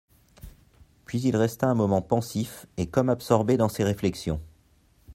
Puis il resta un moment pensif et comme absorbé dans ses réflexions.